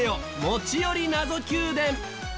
『持ち寄り謎Ｑ殿』。